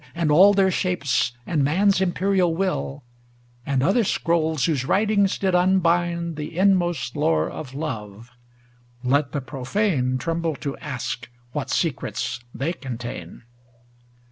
And all their shapes, and man's imperial will; And other scrolls whose writings did un bind The inmost lore of Love ŌĆö let the profane Tremble to ask what secrets they contain.